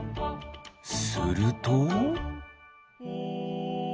すると。